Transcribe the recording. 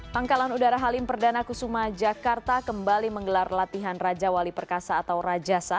pangkalan udara halim perdana kusuma jakarta kembali menggelar latihan raja wali perkasa atau rajasa